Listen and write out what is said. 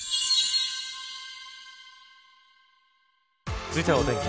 続いてはお天気。